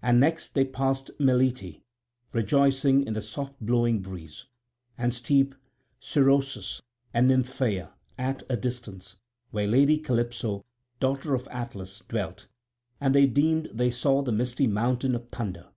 And next they passed Melite, rejoicing in the soft blowing breeze, and steep Cerossus, and Nymphaea at a distance, where lady Calypso, daughter of Atlas, dwelt; and they deemed they saw the misty mountains of Thunder.